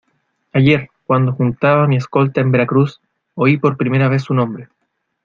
ayer, cuando juntaba mi escolta en Veracruz , oí por primera vez su nombre...